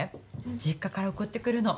実家から送ってくるの。